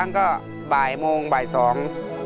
บอกว่าเขาการรักใจวางครั้งก็บ่ายโมงบ่ายสอง